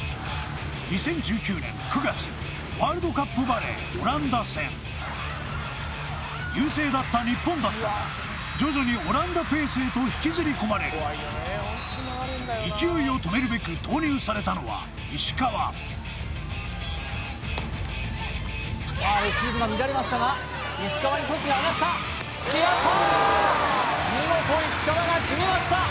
２０１９年９月ワールドカップバレーオランダ戦優勢だった日本だったが徐々にオランダペースへと引きずり込まれ勢いを止めるべく投入されたのは石川さあレシーブが乱れましたが石川にトスが上がった決まったー